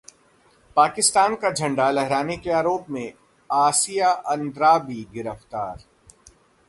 पाकिस्तान का झंडा लहराने के आरोप में आसिया अंद्राबी गिरफ्तार